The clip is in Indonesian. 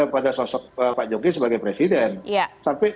pada sosok pak jokowi sebagai presiden